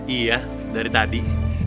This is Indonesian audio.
iya dari tadi